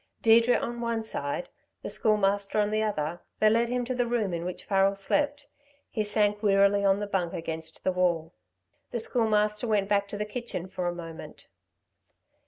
Deirdre on one side, the Schoolmaster on the other, they led him to the room in which Farrel slept. He sank wearily on the bunk against the wall. The Schoolmaster went back to the kitchen for a moment.